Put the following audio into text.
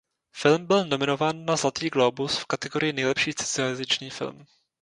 Film byl nominován na Zlatý glóbus v kategorii nejlepší cizojazyčný film.